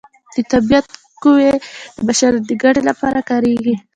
د طبیعت قوې د بشریت د ګټې لپاره کاریږي.